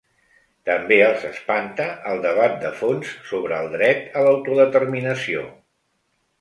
També els espanta el debat de fons sobre el dret a l’autodeterminació.